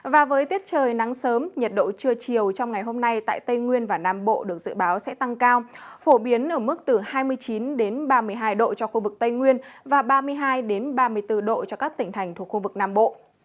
và với tiết trời nắng sớm nhiệt độ trưa chiều trong ngày hôm nay tại tây nguyên và nam bộ được dự báo sẽ tăng cao phổ biến ở mức từ hai mươi chín ba mươi hai độ cho khu vực tây nguyên và ba mươi hai ba mươi bốn độ cho các tỉnh thành thuộc khu vực nam bộ